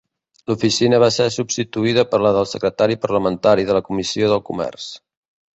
L'oficina va ser substituïda per la del secretari parlamentari de la Comissió del Comerç.